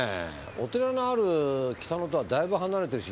お寺のある北野とはだいぶ離れてるし。